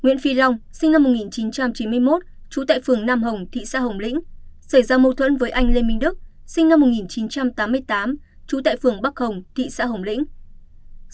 nguyễn phi long sinh năm một nghìn chín trăm chín mươi một trú tại phường nam hồng thị xã hồng lĩnh xảy ra mâu thuẫn với anh lê minh đức sinh năm một nghìn chín trăm tám mươi tám trú tại phường bắc hồng thị xã hồng lĩnh